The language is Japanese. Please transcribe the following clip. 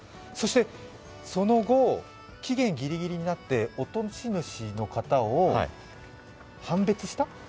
そして、その後期限ギリギリになって落とし主の方を判別した？